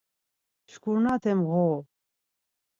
Şkurnate mğoru.